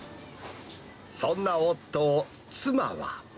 そんな夫を妻は。